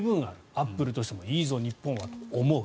アップルとしてもいいぞ日本はとなる。